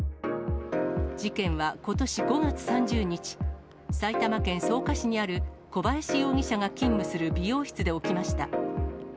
事件はことし５月３０日、埼玉県草加市にある小林容疑者が勤務する美容室で起きました。